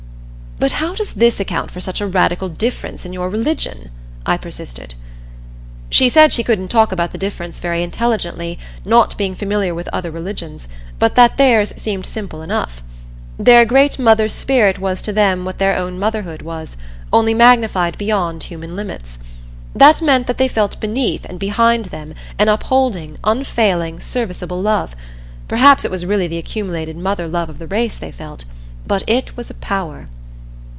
"But how does this account for such a radical difference in your religion?" I persisted. She said she couldn't talk about the difference very intelligently, not being familiar with other religions, but that theirs seemed simple enough. Their great Mother Spirit was to them what their own motherhood was only magnified beyond human limits. That meant that they felt beneath and behind them an upholding, unfailing, serviceable love perhaps it was really the accumulated mother love of the race they felt but it was a Power.